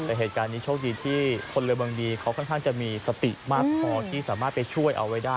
แต่เหตุการณ์นี้โชคดีที่พลเมืองดีเขาค่อนข้างจะมีสติมากพอที่สามารถไปช่วยเอาไว้ได้